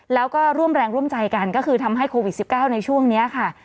แล้วก็ร่วมแรงร่วมใจกันก็คือทำให้โควิด๑๙ในช่วงนี้ค่ะ